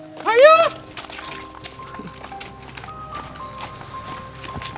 sekarang kamu berani ninggin suara sama emak